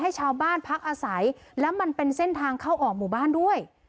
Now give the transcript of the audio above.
ให้ชาวบ้านพักอาศัยแล้วมันเป็นเส้นทางเข้าออกหมู่บ้านด้วย